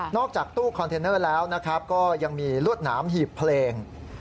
นอกจากตู้คอนเทนเนอร์แล้วก็ยังมีรวดหนามหีบเพลง